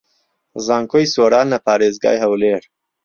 زانکۆی سۆران لە پارێزگای هەولێر